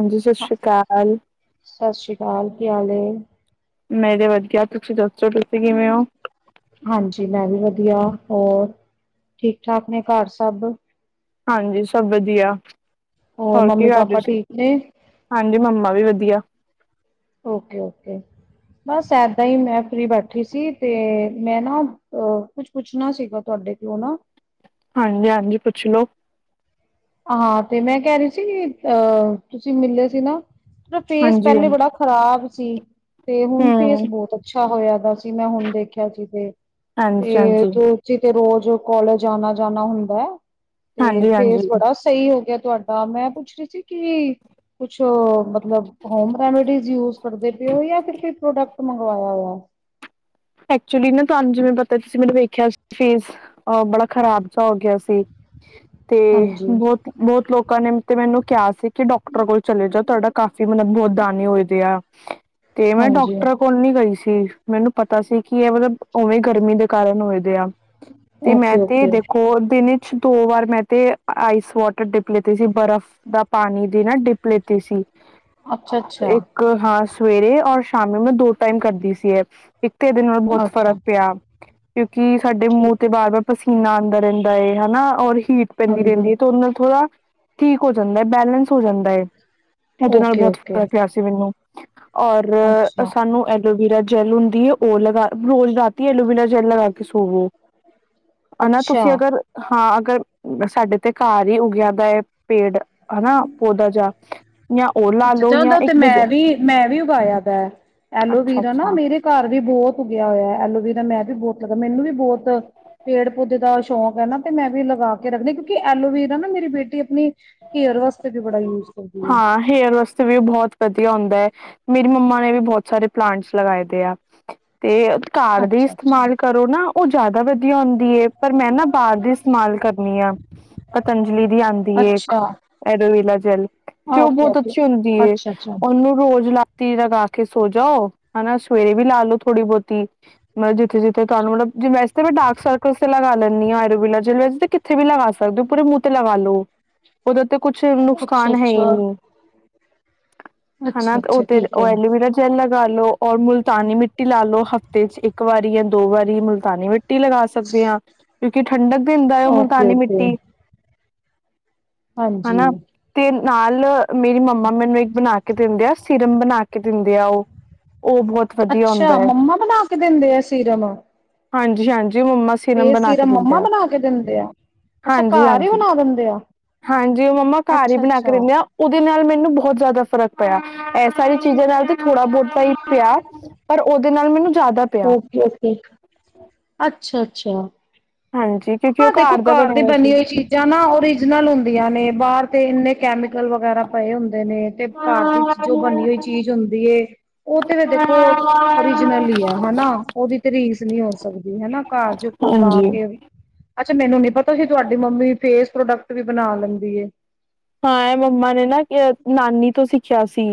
ਹਾਂਜੀ ਸਤਿ ਸ੍ਰੀ ਅਕਾਲ ਚਾਲ ਕੀਿਆਾਲ [unintelligible] ਮੇਰੇ ਵਧੀਆ ਤੁਸੀਂ ਦੱਸ ਹਾਂਜੀ ਮੈਂ ਵੀ ਵਧੀਆ ਹੋਰ ਠੀਕ ਠਾਕ ਨੇ ਘਰ ਸਭ ਹਾਂਜੀ ਸਭ ਵਧੀਆ ਹੋਰ ਕੀ ਮੰਮੀ ਕਰਦੇ ਪਾਪਾ ਸੀ ਠੀਕ ਨੇ ਹਾਂਜੀ ਮੰਮਾ ਵੀ ਵਧੀਆ ਓਕੇ ਓਕੇ ਬਸ ਏਦਾਂ ਹੀ ਮੈਂ ਫਫ੍ਰੀ ਬੈਠੀ ਸੀ ਤੇ ਮੈਂ ਨਾ ਕੁਛ ਪੁੱਛਣਾ ਸੀਗਾ ਤੁਹਾਡੇ ਤੋਂ ਨਾ ਹਾਂਜੀ ਹਾਂਜੀ ਪੁੱਛ ਲੋ ਹਾਂ ਤੇ ਮੈਂ ਕਹਿ ਰਹੀ ਸੀ ਅਹ ਤੁਸੀਂ ਮਿਲਿਆ ਸੀ ਨਾ ਫੇਸ ਹਾਂਜੀ ਪਹਿਲੇ ਹਾਂਜੀ ਬੜਾ ਖ਼ਰਾਬ ਸੀ ਤੇ ਹੁਣ ਫੇਸ ਹਮ ਬਹੁਤ ਅੱਛਾ ਹੋਇਆ ਦਾ ਸੀ ਮੈਂ ਹੁਣ ਦੇਖਿਆ ਸੀ ਤੇ ਹਾਂਜੀ ਤੇ ਹਾਂਜੀ ਜੋ ਜ ਤੇ ਰੋਜ਼ ਕੋਾਲਜ [unintelligible] ਜਾਣਾ ਜਾਣਾ ਹੁੰਦਾ ਹੈ ਤੇ ਹਾਂਜੀ ਫੇਸ ਹਾਂਜੀ ਬੜਾ ਸਹੀ ਹੋ ਗਿਆ ਤੁਹਾਡਾ ਮੈਂ ਪੁੱਛ ਰਹੀ ਸੀ ਕਿ ਕੁਛ ਮਤਲਬ ਹੋਮ ਰੇਮੈਡੀ ਯੂਜ ਕਰਦੇ ਪਏ ਹੋ ਫਿਰ ਕੋਈ ਪ੍ਰੋਡਕਟ ਮੰਗਵਾਇਆ ਹੋਇਆ ਐਕਚੁਲੀ ਨਾ ਤੁਹਾਨੂੰ ਜਿਵੇਂ ਪਤਾ ਤੁਸੀਂ ਮੈਨੂੰ ਵੇਖਿਆ ਸੀ ਫੇਸ ਬੜਾ ਖਰਾਬ ਜਾ ਹੋਗ ਸੀ ਤੇ ਹਾਂਜੀ ਬਹੁਤ ਬਹੁਤ ਲੋਕਾਂ ਨੇ ਤੇ ਮੈਨੂੰ ਕਿਹਾ ਸੀ ਕਿ ਡਾਕਟਰ ਕੋਲ ਚਲੇ ਜਾਓ ਤੁਹਾਡਾ ਕਾਫ਼ੀ ਮਤਲਬ ਬਹੁਤ ਦਾਨੇ ਹੋਏਦੇ ਆ ਤੇ ਮੈਂ ਹਾਂਜੀ ਡਾਕਟਰਾਂ ਕੋਲ ਨੀ ਗਈ ਸੀ ਮੈਨੂੰ ਕੀ ਹੈ ਮਤਲਬ ਉਵੇਂ ਗਰਮੀ ਦੇ ਕਾਰਨ ਹੋਏ। ਤੇ ਮੈਂ ਓਕੇ ਤੇ ਓਕੇ ਦੇਖੋ ਦਿਨੇ ਦੋ ਵਾਰ ਮੈਂ ਤੇ ਆਈਸ ਵਾਟਰ ਡਿਪ ਲੀਤੀ ਸੀ ਬਰਫ਼ ਦਾ ਪਾਣੀ ਦੀ ਨਾ ਡਿਪ ਲੀਤੀ ਸੀ। ਅੱਛਾ ਅੱਛਾ ਇੱਕ ਹਾਂ ਸਵੇਰੇ ਔਰ ਸ਼ਾਮੀ ਮੈਂ ਦੋ ਟਾਈਮ ਕਰਦੀ ਸੀ ਐਹ। ਇੱਕੇ ਦਿਨ ਨਾਲ ਬਹੁਤ ਫ਼ਰਕ ਅੱਛਾ ਪਿਆ। ਕੀ ਸਾਡੇ ਠੀਕ ਮੂੰਹ ਤੇ ਬਾਰ-ਬਾਰ ਪਸੀ ਨਾ ਆਉਂਦਾ ਰਹਿੰਦਾ ਏ ਹਨਾ ਔਰ ਹੀਟ ਪੈਂਦੀ ਹਾਂਜੀ ਰਹਿੰਦੀ ਹੈ ਤੇ ਉਹਦੇ ਨਾਲ ਥੋੜਾ ਠੀਕ ਹੋ ਜਾਂਦਾ ਐ, ਬੈਲੈਂਸ ਹੋ ਜਾਂਦਾ ਐ। ਤੁਹਾਡੇ ਨਾਲ ਓਕੇ ਬਹੁਤ ਓਕੇ ਫ਼ਰਕ ਪਿਆ ਸੀ ਮੈਨੂੰ ਔਰ ਅੱਛਾ ਅਸਾਨੂੰ ਇਹ ਐਲੋਵੀਰਾ ਜੈਲ ਹੁੰਦੀ ਐ ਉਹ ਲਗਾ ਰੋਜ਼ ਰਾਤੀ ਐਲੋਵੀਰਾ ਜੈੱਲ ਲਗਾ ਕੇ ਸੋਵੋ। ਹਨਾ ਤੁਸੀਂ ਅੱਛਾ ਅਗਰ ਹਾਂ ਅਰ ਸਾਡੇ ਤੇ ਘਰ ਹੀ ਉਗ ਜਾਂਦਾ ਹੈ ਪੇੜ ਹਨਾ ਪੌਦਾ ਜਾ ਜਾਂ ਉਹ ਲਾ ਲੋ ਅੱਛਾ ਜਾਂ ਉਹਦਾ ਤੇ ਇੱਕ ਬਜ ਮੈਂ ਵੀ ਮੈਂ ਵੀ ਉਗਾਇਆ ਵੈ ਅੱਛਾ ਐਲੋਵੀਰਾ ਨਾ ਅੱਛਾ ਮੇਰੇ ਘਰ ਵੀ ਬਹੁਤ ਉੱਗਿਆ ਹੋਇਆ ਐਲੋਵੀਰਾ ਮੈਂ ਵੀ ਬਹੁਤ ਲੱਗਾ ਮੈਨੂੰ ਵੀ ਬਹੁਤ ਪੇੜ ਪੌਦੇ ਦਾ ਸ਼ੌਂਕ ਐਨਾ ਤੇ ਮੈਂ ਵੀ ਲਗਾ ਰੱਖਦੇ ਕਿਉਂਕਿ ਐਲੋਵੇਰਾ ਨਾ ਮੇ ਬੇਟ ਟੀ ਆਪਣੀ ਹੇਅਰ ਵਾਸਤੇ ਵੀ ਬੜਾ ਯੂਜ਼ ਹਾਂ ਹੇਅਰ ਵਾਸਤੇ ਵੀ ਉਹ ਬਹੁਤ ਵਧੀਆ ਹੁੰਦਾ। ਮੇਰੀ ਮੰਮਾ ਨੇ ਵੀ ਬਹੁਤ ਸਾਰੇ ਪਲਾਂਟਸ ਲਗਾਏ ਦੇ ਆ ਤੇ ਘਰ ਦੇ ਅੱਛਾ ਅੱਛਾ ਇਸਤੇਮਾਲ ਕਰੋ ਨਾ ਉਹ ਜ਼ਿਆਦਾ ਵਧੀਆ ਆਉਂਦੀ ਹੈ, ਪਰ ਮੈਂ ਨਾ ਬਾਹਰ ਦੀ ਇਸਤੇਮਾਲ ਕਰਨੀ ਆ ਪਤੰਜਲੀ ਦੀ ਆਂਦੀ ਏ ਇੱਕ ਅੱਛਾ ਐਲੋਵੀਰਾ ਜੈਲ ਤੇ ਉਹ ਓਕੇ ਬਹੁਤ ਓਕੇ ਅੱਛੀ ਹੁੰਦੀ ਏ ਅੱਛਾ ਅੱਛਾ ਉਹਨੂੰ ਰੋ ਰੋਜ ਰਾਤੀ ਲਗਾ ਕੇ ਸੋ ਜਾਓ ਹਨਾ ਸਵੇਰੇ ਵੀ ਲਾ ਲੋੋ ਥੋੜੀ ਬਹੁਤੀ ਮਤਲਬ ਜਿੱਥੇ ਜਿੱਥੇ ਤੁਹਾਨੂੰ ਮਤਲਬ ਵੈਸੇ ਤਾਂ ਮੈਂ ਡਾਰਕ ਸਰਕਲ ਤੇ ਲਗਾ ਲੈਂਦੀ ਹਾਂ ਐਲੋਵੀਰਾ ਜੈਲ ਵੈਸੇ ਕਿੱਥੇ ਵੀ ਲਗਾ ਸਕਦੇ ਹੋ ਪੂਰੇ ਮੂੰਹ ਤੇ ਲਗਾ ਲੋ ਉਹਦੇ ਤੇ ਕੁਛ ਅੱਛਾ ਨੁਸਕਾਨ ਅੱਛਾ ਹਈਂਈਂ ਹਨਾ ਅੱਛਾ ਅੱਛਾ ਉੇਥ ਠੀਕ ਉਹ ਹੈ ਐਲੋਵਰਾ ਜੈਲ ਲੱ ਗਾਲੋ ਔਰ ਮੁਲਤਾਨੀ ਮਿੱਟੀ ਲਾ ਲੋਓ ਹਫ਼ਤੇ ਚ ਇੱਕ, ਇੱਕ ਵਾਰੀ ਜਾਂ ਦੋ ਵਾਰੀ ਮੁਲਤਾਨੀ ਮਿੱਟੀ ਲਗਾ ਸਕਦੇ ਹਾਂ ਕਿਉਂਕਿ ਠੰਡਕ ਦਿੰਦਾ ਓਕੇ ਮੁਲਤਾਨੀ ਓਕੇ ਮਿੱਟੀ ਹਾਂਜੀ, ਹਨਾ ਤੇ ਨਾਲ ਮੇਰੀ ਮੰਮਾ ਮੈਨੂੰ ਇੱਕ ਬਣਾ ਕੇ ਦਿੰਦੇ ਆ ਸਿਰਮ ਬਣਾ ਕੇ ਦਿੰਦੇ ਆ ਉਹ ਉਹ ਬਹੁਤ ਵਧੀਆ ਹੁੰਦਾ ਅੱਛਾ ਹੈ ਮੰਮਾ ਬਣਾ ਕੇ ਦਿੰਦੇ ਆ ਸੀਰਮ ਹਾਂਜੀ-ਹਾਂਜੀ, ਫ ਸੀਰਾ ਮੰਮਾ ਬਣਾ ਕੇ ਦਿੰਦੇ ਆ ਅੱਛਾ ਹਾਂਜੀ ਘਰ ਹੀ ਹਾਂਜੀ ਬਣਾ ਦਿੰਦੇ ਆ। ਹਾਂਜੀ ਉਹ ਮੰਮਾ ਘਰ ਹੀ ਬਣਾ ਅੱਛਾ-ਅੱਛਾ। ਕੇ ਦਿੰਦੇ ਆ। ਦੇ ਨਾਲ ਮੈਨੂੰ ਬਹੁਤ ਜ਼ਿਆਦਾ ਫ਼ਰਕ ਪਿਆ। ਇਹ ਸਾਰੀ ਚੀਜ਼ਾਂ ਨਾਲ ਤੇ ਥੋੜ੍ਹਾ ਬਹੁਤਾ ਹੀ ਪਿਆ ਪਰ ਉਹਦੇ ਨਾਲ ਮੈਨੂੰ ਜ਼ਿਆਦਾ ਪਿਆ। ਅੱਛਾ, ਹਾਂਜੀ ਕਿਉਂਕਿ ਉਹ ਹਾਂ ਦੇਖੋ ਦਾ ਘਰ ਬਣਿਆ ਦੀ ਹੋਇਆ ਸੀ ਬਣੀ ਹੋਈ ਚੀਜ਼ਾਂ ਨਾ ਔਰੀਜਨਲ ਹੁੰਦੀਆਂ ਨੇ ਬਾਹਰ ਤੇ ਇੰਨੇ ਕੈਮੀਕਲ ਵਗੈਰਾ ਪਏ ਹੁੰਦੇ, ਦੇ ਨੇ ਤੇ ਘਰ ਦੀ ਜੋ ਬਣੀ ਹੋਈ ਚੀਜ਼ ਹੁੰਦੀ ਐ। ਉਹ ਤੇ ਫੇ ਦੇਖੋ ਔਰੀਜਨਲ ਹੀ ਹੈ ਹਨਾ ਉਹਦੀ ਤਰੀਸ ਨੀ ਹੋ ਸਕਦੀ ਹਨਾ। ਘਰ ਚ ਕੋ ਪਾ ਹਾਂਜੀ ਕੇ, ਅੱਛਾ ਮੈਨੂੰ ਨੀ ਪਤਾ ਸੀ ਤੁਹਾਡੀ ਮੰਮੀ ਫੇਸ ਪ੍ਰੋਡਕਟ ਵੀ ਬਣਾ ਲੈਂਦੀ। ਹਾਂ ਇਹ ਮੰਮਾ ਨੇ ਨਾ ਨਾਨੀ ਤੋਂ ਸਿੱ ਆ ਸੀ,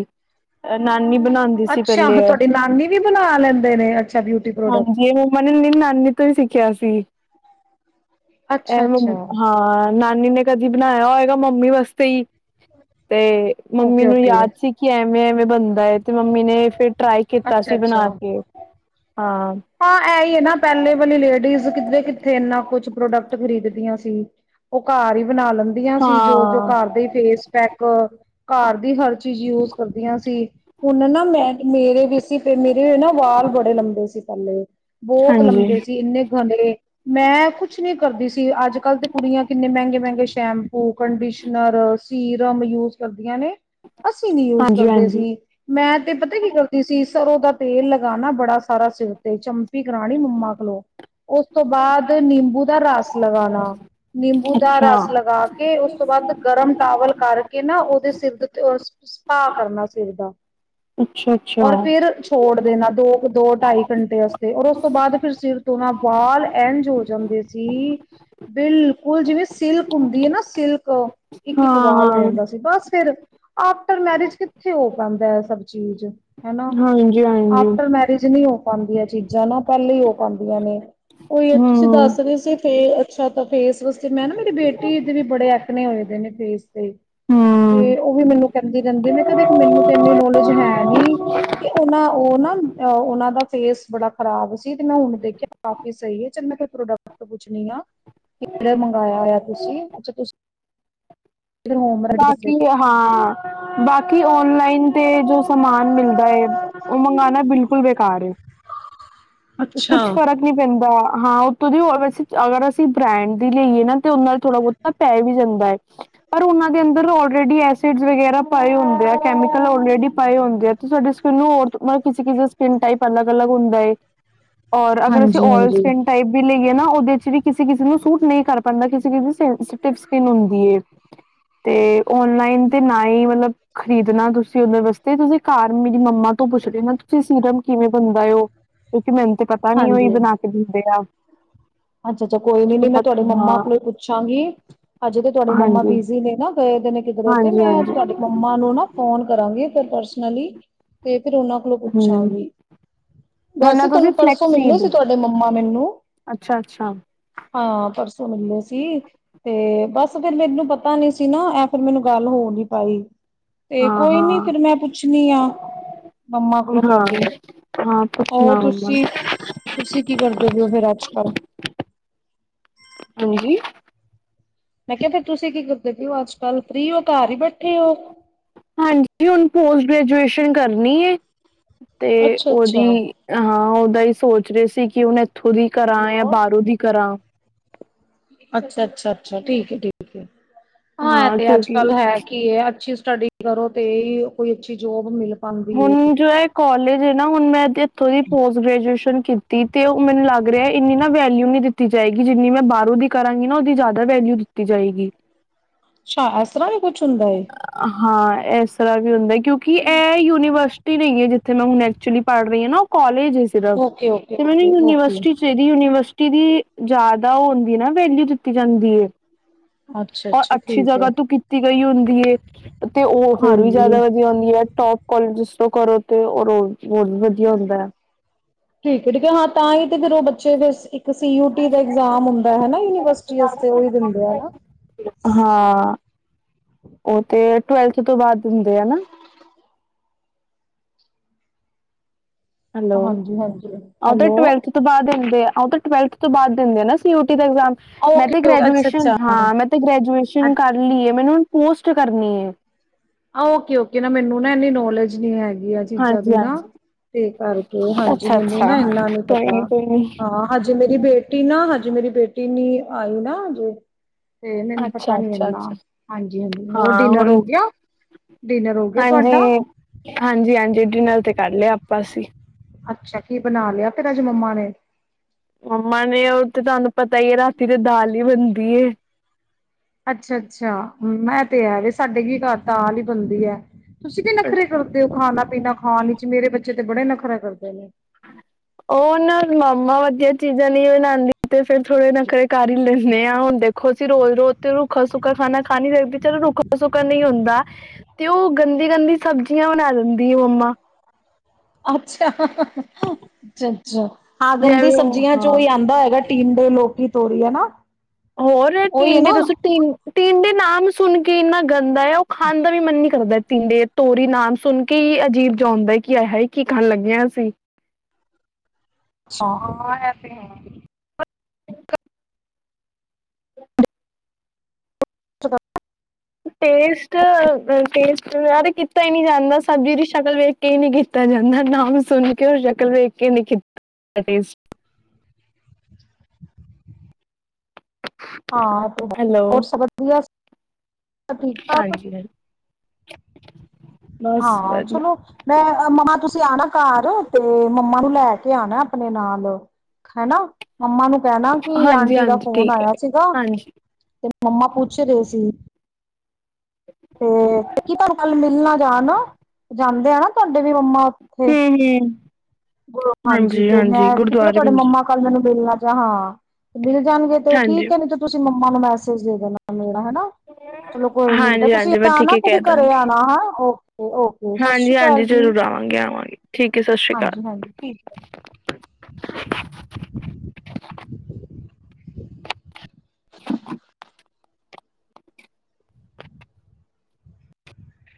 ਨਾਨੀ ਬਣਾਉਂਦੀ ਸੀ ਅੱਛਾ ਪਹਿਲੇ ਉਹ ਇਹ। ਤੁਹਾਡੀ ਨਾਨੀ ਵੀ ਬਣਾ ਲੈਂਦੇ ਨੇ। ਅੱਛਾ ਬਿਊਟੀ ਪ੍ਰੋਡਕਟ। ਹਾਂਜੀ ਇਹ ਮੰਮਾ ਨੇ ਮ ਨਾਨੀ ਤੋਂ ਹੀ ਸਿੱਖਿਆ ਸੀ। ਇਹ ਅੱਛਾ-ਅੱਛਾ, ਮ ਹਾਂ। ਨਾਨੀ ਨੇ ਕਦੀ ਬਣਾਇਆ ਹੋਏਗਾ ਮੰਮੀ ਵਾਸਤੇ ਹੀ, ਤੇ ਮੰਮੀ ਨੂੰ ਓਕੇ-ਓਕੇ, ਯਾਦ ਸੀ ਕਿ ਐਵੇ ਵੇਂ ਐਵੇਂ ਬਣਦਾ ਹੈ ਤੇ ਮ ਮੰਮੀ ਨੇ ਫੇਰ ਟਰਾਈ ਕੀਤਾ ਸੀ ਬਣਾ ਅੱਛਾ-ਅੱਛਾ। ਕੇ। ਹਾਂ ਹਾਂ ਇਹ ਹੀ ਹੈ ਨਾ ਪਹਿਲੇ ਵਾਲੀ ਲੇਡੀਜ਼ ਕਿਧੇ ਕਿੱਥੇ ਇੰਨਾ ਕੁਛ ਪ੍ਰੋਡਕਟ ਖਰੀਦੀਆਂ ਸੀ। ਸੀ ਉਹ ਘਰ ਹੀ ਬਣਾ ਲੈਂਦੀਆਂ ਸੀ ਜੋ ਜੋ ਘਰ ਹਾਂ ਦੇ ਫੇਸ ਪੈਕ ਘਰ ਦੀ ਹਰ ਚੀਜ਼ ਯੂਜ ਕਰਦੀਆਂ ਸੀ। ਹੁਣ ਨਾ ਮੈਂ ਮੇਰੇ ਵੀ ਸੀ ਮੇਰੇ ਵੀ ਨਾ ਵਾਲ ਬੜੇ ਲੰਬੇ ਸੀ। ਬਹੁਤ ਹਾਂਜੀ ਲੰਬੇ ਸੀ ਇੰਨੇ ਗਣੇ ਮੈਂ ਕੁਛ ਨੀ ਕਰਦੀ ਸੀ ਅੱਜ ਕੱਲ ਤੇ ਕੁੜੀਆਂ ਕਿੰਨੇ ਮਹਿੰਗੇ-ਮਹਿੰਗੇ ਸ਼ੈਂਪੂ ਕੰਡੀਸ਼ਨਰ ਸੀਰਮ ਯੂਜ ਕਰਦੀਆਂ ਨੇ। ਅਸੀਂ ਨੀ ਯੂਜ ਹਾਂਜੀ ਕਰਦੇ ਹਾਂਜੀ ਸੀ ਮੈਂ ਤੇ ਪਤਾ ਕੀ ਕਰਦੀ ਸੀ ਸਰੋਂ ਦਾ ਤੇਲ ਲਗਾਾਨ ਬੜਾ ਸਾਰਾ ਸ ਤੇ ਚਮਪੀ ਕਰਾਉਣੀ ਮੰਮਾ ਕੋਲੋਂ ਉਸ ਤੋਂ ਬਾਅਦ ਨਿੰਬੂ ਦਾ ਰਸ ਲਗਾਣਾ ਨਿੰਬੂ ਦਾ ਅੱਛਾ ਰਸ ਲਗਾ ਕੇ ਉਸ ਤੋਂ ਬਾਅਦ ਗਰਮ ਟਾਵਲ ਕਰਕੇ ਨਾ ਉਹਦੇ ਸਿਰ ਤੇ ਉਹ ਸਪਾ ਕਰਨਾ ਸਿਰ ਦਾ। ਅੱਛਾ ਅੱਛਾ ਔਰ ਫੇਰ ਛੋੜ ਦੇਣਾ। ਦੋ ਕੁ ਦੋ ਢਾਈ ਘੰਟੇ ਆਸਰੇ ਔਰ ਉਸ ਤੋਂ ਬਾਅਦ ਫਿਰ ਸਿਰ ਤੋਂਨਾ ਵਾਲ ਐੰਝ ਹੋ ਜਾਂਦੇ ਸੀ ਬਿਲਕੁਲ ਜਿਵੇਂ ਸਿਲਕ ਹੁੰਦੀ ਹੈ ਨਾ ਸਿਲਕ ਇੱਕ ਇਕ ਬਾਲ ਹੋ ਹਾਂ ਜਾਂਦਾ ਸੀ ਬਸ। ਫਿਰ ਆਫਟਰ ਮੈਰਿਜ ਕਿੱਥੇ ਹੋ ਪਾਂਦਾ ਹੈ ਸਭ ਚੀਜ਼। ਹਨਾ ਹਾਂਜੀ ਹਾਂਜੀ ਆਫਟਰ ਮੈਰਿਜ ਨੀ ਹੋ ਪਾਉਂਦੀਆਂ ਚੀਜ਼ਾਂ ਨਾ ਪਹਿਲੇ ਹੀ ਉਹ ਪਾਉਂਦੀਆਂ ਨੇ। ਉਹੀ ਹੈ ਤੁਸੀਂ ਹਮ ਦੱਸ ਰਹੇ ਸੀ ਫੇਰ ਅੱਛਾ ਤ ਫੇਸ ਵਾਸਤੇ ਮੈਂ ਨਾ ਮੇਰੀ ਬੇਟੀ ਦੇ ਵੀ ਬੜੇ ਐਕਨੇ ਹੋਏ ਦੇ ਨੇ ਫੇਸ ਤੇ, ਹਮ ਤੇ ਉਹ ਵੀ ਮੈਨੂੰ ਕਹਿੰਦੀ ਰਹਿੰਦੀ ਨੇ ਕਹਿੰਦੇ ਮੈਨੂੰ ਤੇ ਇੰਨੀ ਨੌਲੇਜ ਹੈ ਨੀ ਕਿ ਉਹਨਾ ਉਹ ਨਾ ਉਹਨਾਂ ਦਾ ਫੇਸ ਬੜਾ ਖਰਾਬ ਸੀ ਤੇ ਮੈਂ ਹੁਣ ਦੇਖਿਆ ਕਾਫੀ ਸਹੀ ਹੈ ਚੱਲ ਮੈਂ ਕੋ ਪ੍ਰੋਡਕਟ ਪੁੱਛਣੀ ਆ। ਕਿੜਾ ਮੰਗਵਾਇਆ ਹੋਇਆ ਤੁਸੀਂ ਅੱਛਾ ਤੁ ਬਾਕੀ ਹਾਂ ਬਾਕੀ ਓਨਲਾਈਨ ਤੇ ਜੋ ਸਮਾਨ ਮਿਲਦਾ ਹੈ ਉਹ ਮੰਗਵਾਉਣਾ ਬਿਲਕੁਲ ਬੇਕਾਰ ਏ। ਅੱਛਾ। ਕੁੱਛ ਫ਼ਰਕ ਨੀ ਪੈਂ ਹਾਂ ਉਤੋਂ ਦੀ ਵੈਸੇ ਅਗਰ ਅਸੀਂ ਬ੍ਰੈਂਡ ਦੀ ਲਈਏ ਨਾ ਤੇ ਉਹ ਨਾਲ ਥੋੜਾ ਬਹੁਤਾ ਪੈ ਵੀ ਜਾਂਦਾ ਹੈ ਪਰ ਉਹਨਾਂ ਦੇ ਅੰਦਰ ਔਲਰੇਡੀ ਐਸਿਡ ਵਗੈਰਾ ਪਾਏ ਹੁੰਦੇ ਆ ਕੈਮੀਕਲ ਆਲਰੈਡੀ ਪਾਏ ਹੁੰਦੇ ਆ ਤੇ ਤੁਹਾਡੇ ਸਕਿੰਨ ਨੂੰ ਹੋਰ ਮਤਲਬ ਕਿਸੇ ਕਿਸੇ ਸਕਿਨ ਟਾਈਪ ਅਲੱਗ ਲਗ ਹੁੰਦਾ ਏ। ਔਰ ਅਗਰ ਅਸੀਂ ਹਾਂਜੀ, ਓਲ ਹਾਂਜੀ, ਸਕਿਨ ਟਾਈਪ ਵੀ ਲਈਏ ਨਾ ਉਹਦੇ ਚ ਵੀ ਕਿਸੀ-ਕਿਸੀ ਨੂੰ ਸੂਟ ਨਹੀਂ ਕਰ ਪਾਦਾ ਕਿਸੀ -ਕਿਸੀ ਦੀ ਸੈਂਸਟਿਵ ਸਕਿਨ ਹੁੰਦੀ ਏ। ਤੇ ਓਨਲਾਈਨ ਤੇ ਨਾ ਹੀ ਮਤਲਬ ਖਰੀਦਣਾ ਤੁਸੀਂ ਉਹਦੇ ਵਾਸਤੇ ਤੁਸੀਂ ਘਰ ਮੇਰੀ ਮੰਮਾ ਤੋਂ ਪੁੱਛ ਲੈਣਾ ਤੁਸੀਂ ਸੀਰਮ ਕਿਵੇਂ ਬਣਦਾ ਏ ਉਹ। ਮੈਨੂੰ ਤੇ ਪਤਾ ਨੀ ਉਹੀ ਬਣਾ ਕੇ ਦਿੰਦੇ ਆ। ਅੱਛਾ-ਅੱਛਾ ਕੋਈ ਨੀ, ਤੇ ਨੀ ਮੈਂ ਉਹਨਾਂ ਤੁਹਾਡੇ ਮੰਮਾ ਹਾਂ ਕੋਲੋਂ ਪੁੱਛਾਂਗੀ ਅੱਜੇ ਤੇ ਤੁਹਾਡੀ ਮੰਮਾ ਹਾਂਜੀ ਬੀਜ ਨੇ ਨਾ ਗਏ ਨੇ ਕਿਧਰ ਤੇ ਹਾਂਜੀ ਮੈਂ ਹਾਂਜੀ ਤੁਹਾਡੇ ਮੰਮਾ ਨੂੰ ਨਾ ਫੋਨ ਕਰਾਂਗੀ ਫ ਪਰਸਨਲੀ ਤੇ ਫਿਰ ਉਹਨਾਂ ਕੋਲੋਂ ਹਮ ਪੁੱਛਾਂਗੀ, ਵੈਸੇ ਵਰਨਾ ਤੁਸੀਂ ਤੁਹਾਨੂੰ ਪਰਸੋਂ ਫਲੈਕਸ ਮਿਲੇ ਸੀਡ ਸੀ ਤੁਹਾਡੇ ਮੰਮਾ ਮੈਨੂੰ ਅੱਛਾ ਅੱਛਾ ਹਾਂ ਪਰਸ ਮਿਲੇ ਸੀ, ਤੇ ਬਸ ਫਿਰ ਮੈਨੂੰ ਪਤਾ ਨੀ ਸੀ ਨਾ ਐ ਫਿਰ ਮੈਨੂੰ ਗੱਲ ਹੋ ਨੀ ਪਾਈ, ਤੇ ਹਾਂ ਕੋਈ ਨੀ ਹਾਂ ਫਿਰ ਮੈਂ ਪੁੱਛਣੀ ਆ ਮੰਮਾ ਕੋਲੋਂ ਹਾਂ ਤੁਹਾਡੀ, ਹਾਂ ਹੋਰ ਪੁੱਛਣਾ ਮੰਮਾ ਤੁਸੀਂ ਤੁਸੀਂ ਕੀ ਕਰਦੇ ਪਯੇ ਹੋ ਫਿਰ ਅੱਜ ਕੱਲ। ਹਾਂਜੀ ਮੈਂ ਕਿਹਾ ਫਿਰ ਤੁਸੀਂ ਕੀ, ਕਿ ਤੇ ਕਿਓਂ ਅੱਜ ਕੱਲ ਫ੍ਰੀ ਔ, ਘਰ ਹੀ ਬੈਠੇ ਹੋ। ਹਾਂਜੀ ਹੁਣ ਪੋਸਟ ਗ੍ਰੈਜੂਏਸ਼ਨ ਕਰਨੀ ਏ ਤੇ ਅੱਛਾ ਅੱਛਾ ਔਦੀ, ਹਾਂ ਔਦਾ ਹੀ। ਸੋਚ ਰਹੇ ਸੀ ਕਿ ਹੁਣੇ ਖੁਦ ਦੀ ਕਰਾਂ, ਜਾਂ ਹੈਲੋ ਬਾਹਰੋਂ ਦੀ ਕਰਾਂਵਾਂ। ਅੱਛਾ ਅੱਛਾ ਅੱਛਾ ਠੀਕ ਹੈ, ਠੀਕ ਹੈ, ਠੀਕ। ਹਾਂ ਤੇ ਅੱਜ ਕੱਲ ਹੈ ਕੀ ਹੈ, ਅੱਛੀ ਸਟੱਡੀ ਕਰੋ, ਤੇ ਕੋਈ ਅੱਛੀ ਜੋਬ ਮਿਲੇ ਹੁਣ ਜੋ ਹੈ, ਕਾੱਲੇਜ। ਦੇਣਾ ਹੁਣ ਮੈਂ ਗਿਫ਼੍ਟ। ਤੁਸੀ ਪੋਸਟ ਗ੍ਰੈਜੂਏਸ਼ਨ ਕੀਤੀ ਤੇ ਉਹ ਮੈਨੂੰ ਲੱਗ ਰਿਹਾ ਏਨੀ ਨਾ ਵੈਲਿਊ ਨੀ ਦਿੱਤੀ ਜਾਏਗੀ, ਜਿੰਨੀ ਮੈਂ ਬਾਹਰੋਂ ਦੀ ਕਰਾਂਗੀ ਨਾ ਉਹਦੀ ਜ਼ਿਆਦਾ ਵੈਲਿਊ ਦਿੱਤੀ ਜਾਏਗੀ। ਅੱਛਾ ਇਸ ਤਰ੍ਹਾਂ ਵੀ ਕੁਛ ਹੁੰਦਾ ਏ। ਹਾਂ ਇਸ ਤਰ੍ਹਾਂ ਵੀ ਹੁੰਦਾ ਕਿਉਂਕਿ ਇਹ ਯੂ ਯੂਨੀਵਰਸਿਟੀ ਵੀ ਹੈਹੀ ਹੈ ਜਿੱਥੇ ਮੈਂ ਹੁਣ ਐਕਚੁਅਲੀ ਪੜ ਰਹੀ ਹਾਂ ਨਾ। ਕਾਲਜ ਹੈ ਸਿਰਫ਼, ਓਕੇ ਓਕੇ ਤੇ ਮੈਨੂੰ ਓਕੇ ਓਕੇ ਯੂਨੀਵਰਸਿਟੀ ਚਾਹੀਦੀ ਯੂਨੀਵਰਸਿਟੀ। ਈਦੀ ਜਿਆਦਾ ਹੋਂਦੀ ਦੀ ਨਾ, ਵੈਲਿਊ ਦਿੱਤੀ ਜਾਂਦੀ ਐ। ਅੱਛਾ ਔਰ ਅੱਛਾ ਅੱਛੀ ਠੀਕ ਹੈ ਜਗ੍ਹਾ ਤੋ ਕੀਤੀ ਗਈ ਹੁਣ ਦੀ [unintelligible] ਤੇ ਔ ਹੋਰ ਵੀ ਹਾਂਜੀ ਜਿਆਦਾ ਵਧੀਆ ਹੁੰਂਦੀ ਹੈ। ਟੋਪ [unintelligible] ਕਾੱਲ ਜਿਸ ਨੂ ਕਰੋ, ਤੇ ਔ ਰੋ ਠੀਕ ਹੈ, ਠੀਕ ਹੈ, ਹਾਂ ਤਾਂ ਹੀ ਤੇ ਫਿਰ ਔ ਬ ੇ [inaudible] ਸੀ ਈ ਟੀ ਦਾ ਇਗਜ਼ਾਮ ਹੁੰਦਾ ਹੈ, ਹੈਨਾ ਯੂਨੀਵਰਸਿਟੀ ਵਾਸਤੇ, ਔ ਹੀ ਦਿੰਦੇ ਹੈਨਾ। ਔ ਤੇ ਟੁਵੈਲਥ ਤੋਂ ਬਾਅਦ ਹੁਂਦੇ ਦੇ ਐ ਨਾ। ਹੈਲੋ, ਹਾਂਜੀ ਹਾਂਜੀ ਉਹ ਤਾਂ ਹੈਲੋ ਟਵੈਲਥ ਤੋਂ ਬਾਅਦ ਹੁਦੇ ਆ। ਉਹ ਤਾਂ ਟਵੈਲਥ ਤੋਂ ਬਾਅਦ ਦਿੰਦੇ ਨਾ ਸੀ। ਐਗਜਾਮ ਮੈਂ ਤੇ ਓਕੇ ਓਕੇ ਅੱਛਾ ਗ੍ਰੈਜੂਏਸ਼ਨ ਹਾਂ ਮੈਂ ਤੇ ਅੱਛਾ ਗ੍ਰੈਜੂਏਸ਼ਨ ਕਰ ਲਈਏ ਮੈਨੂੰ ਪੋਸਟ ਕਰਨੀ ਹੈ। ਓਕੇ ਓਕੇ, ਨਾ ਮੈਨੂੰ ਨਾ ਇੰਨੀ ਨੌਲੇਜ ਨੀ ਹੈਗੀ। ਚੀਜ਼ਾਂ ਹਾਂਜੀ ਵੀ ਨਾ ਹਾਂਜੀ ਤੇ ਕਰਕੇ ਹਾਂਜੀ ਅੱਛਾ ਮੈਨੂੰ ਅੱਛਾ ਨਾ ਇਨਾ ਨੀ ਕੋਈ ਪਤਾ ਕੋਈ ਨੀ ਹਾਂ ਹਜੇ ਮੇਰੀ ਬੇਟੀ ਨਾ ਹਜੇ ਮੇਰੀ ਬੇਟੀ ਨ ਆਈ ਨਾਜੇ, ਤੇ ਮੈਨੂੰ ਪਤਾ ਅੱਛਾ ਨੀ ਅੱਛਾ ਇਨਾ ਅੱਛਾ ਹਾਂਜੀ-ਹਾਂਜੀ, ਹੋਰ ਡਿਨਰ ਹੋ ਗਿਆ? ਡਿਨਰ ਹੋ ਗਿਆ ਤੁਹਾਡਾ ਹਾਂਜੀ-ਹਾਂਜੀ, ਜੇ ਨਾਲ ਤੇ ਕਰ ਲਿਆ ਆਪਾਂ ਅਸੀਂ ਅੱਛਾ ਕੀ ਬਣਾ ਲਿਆ ਫੇਰ ਅੱਜ ਮੰਮਾ ਨੇ, ਮੰਮਾ ਨੇ ਉਹ ਤੇ ਤੁਹਾਨੂੰ ਪਤਾ ਹੈ ਰਾਤੀ ਦੇ ਦਾਲ ਹੀ ਬਣਦੀ ਐ। ਅੱਛਾ-ਅੱਛਾ, ਮੈਂ ਤੇ ਹੈ ਵੀ ਸਾਡੇ ਕੀ ਇੱਕਤਾ ਹੀ ਬੰਦੀ ਹੈ। ਤੁਸੀਂ ਵੀ ਨਖਰੇ ਕਰਦੇ ਹੋ ਖਾਣਾ ਪੀਣਾ ਖਾਣ ਹੀ ਚ ਮੇਰੇ ਬੱਚੇ ਬੜੇ ਹੀ ਨਖਰਾ ਕਰਦੇ ਨੇ, ਹੂੰ, ਉਹ ਨਾ ਮੰਮਾ ਵਧੀਆ ਚੀਜ਼ਾਂ ਨਹੀਂ ਬਣਾਦੀ ਤੇ ਫੇਰ ਥੋੜ੍ਹੇ ਨਖਰੇ ਕਰ ਹੀ ਲੈਂਨੇ ਆ ਹੁਣ ਦੇਖੋ ਅਸੀਂ ਰੋਜ਼ ਰੋਜ਼ ਤੇ ਰੁੱਖਾ ਸੁੱਕਾ ਖਾਣਾ ਖਾ ਨੀ ਸਕਦੇ ਚਲੋ ਰੁੱਖਾ ਸੁੱਕਾ ਨਹੀਂ ਹੁੰਦਾ ਤੇ ਉਹ ਗੰਦੀ-ਗੰਦੀ ਸਬਜ਼ੀਆਂ ਬਣਾ ਦਿੰਦੀ ਆ ਮੰਮਾ ਅੱਛਾ-ਅੱਛਾ, ਹਾਂ ਗੰਦੀ ਜਿਵੇਂ ਸਬਜ਼ੀਆਂ ਚੋਂ ਉਹ ਹੀ ਆਦਾ ਹੈਗਾ ਟੀਡੇ ਦੇ ਲੋਕੀ ਤੋਰੀ ਹਨਾ, ਹੋਰ ਟੀਡੇ ਦੱਸੋ ਟੀਡੇ ਨਾਮ ਸੁਣ ਕੇ ਇੰਨਾ ਗੰਦਾ ਹੈ ਉਹ ਖਾਣ ਦਾ ਵੀ ਮਨ ਨੀ ਕਰਦਾ ਟੀਡੇ ਤੋਰੀ ਨਾਮ ਸੁਣ ਕੇ ਹੀ ਅਜੀਬ ਜਾ ਆਉਦਾ ਕਿ ਹਾਏ ਹੀ ਕੀ ਖਾਣ ਲੱਗੇ ਹਾਂ ਅਸੀਂ, ਹਾਂ ਤੇ, [unintelligible] ਟੇਸਟ ਟੇਸਟ ਯਾਰ ਕੀਤਾ ਹੀ ਨੀ ਜਾਂਦਾ ਸਬਜ਼ੀ ਦੀ ਸ਼ਕਲ ਵੇਖ ਕੇ ਹੀ ਨੀ ਕੀਤਾ ਜਾਂਦਾ ਨਾਮ ਸੁਣ ਕੇ ਉਹ ਸ਼ਕਲ ਵੇਖ ਕੇ ਨੀ ਕੀਤਾ। ਹਾਂ ਤੇ ਹੈਲੋ ਬਸ ਸਭ ਵਧੀਆ। ਸ ਠੀਕ-ਠਾਕ, ਹਾਂਜੀ [unintelligible] ਹਾਂ ਵਧੀਆ ਚਲੋ ਮੈਂ ਮੰਮਾ ਤੁਸੀਂ ਕੇ ਆਣਾ, ਘਰ ਤੇ ਮੰਮਾ ਨੂੰ ਲੈ ਕੇ ਆਣਾ, ਆਪਣੇ ਨਾਲ ਹਨਾ ਮੰਮਾ ਨੂੰ ਭੈਣਾ ਕਿ ਹਾਂਜੀ ਆਂਟੀ ਦਾ ਹਾਂਜੀ ਫੋਨ ਠੀਕ ਹੈ ਆਇਆ ਸੀਗਾ ਹਾਂਜੀ ਤੇ ਮੰਮਾ ਪੁੱਛ ਰਹੇ ਸੀ। ਤੇ ਕੀ ਤੁਹਾਨੂੰ ਕੱਲ ਮਿਲਣਾ ਜਾਣ ਜਾਂਦੇ ਆ ਨਾ ਤੁਹਾਡੇ ਵੀ ਮੰਮਾ ਉੱਥੇ ਹਮ ਹਮ ਗਲ ਹਾਂਜੀ ਤੇ ਮੈਂ ਕਿਤੇ ਨਾ ਗੁਰਦੁਆਰੇ ਤੁਹਾਡੇ ਮਿਲ ਮੰਮਾ ਜਾ, ਕੱਲ ਮੈਨੂੰ ਮੇਿਲਣਾ ਹਾਂ ਮਿਲ ਜਾਣਗੇ ਤੇ ਹਾਂਜੀ ਠੀਕ ਨਹੀਂ ਤੇ ਤੁਸੀਂ ਨੂੰ ਮੈਸੇਜ ਦੇਣਾ ਚਲੋ ਕੋਈ ਨੀ ਬੇਟਾ ਹਾਂਜੀ ਤੁਸੀਂ ਹਾਂਜੀ ਮੈਂ ਠੀਕ ਆਣਾ ਹੀ ਕਦੇ ਕਹਿ ਦਾਂਗੀ ਘਰੇ ਆਣਾ ਓ ਓਕੇ ਸਤਿ ਸ਼੍ਰੀ ਹਾਂਜੀ ਹਾਂਜੀ ਅਕਾਲ ਜੀ ਜ਼ਰੂਰ ਆਵਾਂਗੇ ਆਵਾਂਗੇ ਠੀਕ ਹੈ ਸਤਿ ਸ਼੍ਰੀ ਅਕਾਲ ਹਾਂਜੀ ਹਾਂਜੀ ਠੀਕ ਹੈ